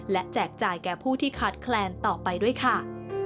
และแจกจ่ายแก่ผู้ที่ขาดแคลนต่อไปด้วยค่ะ